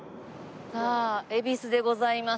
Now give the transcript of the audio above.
恵比寿でございます。